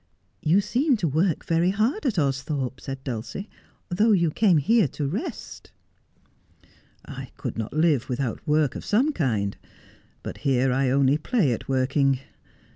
'You seem to work very hard at Austhorpe,' said Dulcie, ' though you came here to rest.' ' I could not live without work of some kind ; but here I only 260 Just as I Am play at working.